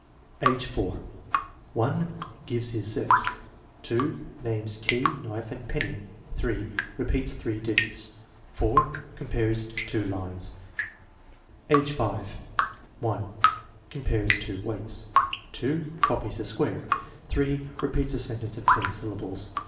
Age 4: 1. Gives his sex. . Names key, knife, and penny. 3. Repeats three digits. 4. Compares two lines. Age 6: 1. Compares two weights. 2. Copies a square. 3. Repeats a sentence of ten syllables.